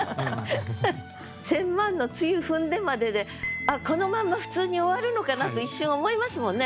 「千万の露ふんで」までであっこのまま普通に終わるのかなと一瞬思いますもんね